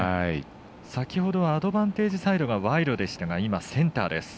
先ほどアドバンテージサイドがワイドでしたが今、センターです。